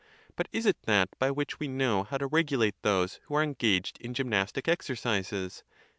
But is it that, by which we know how to regulate those, who are engaged in gymnastic exercises